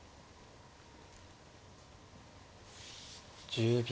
１０秒。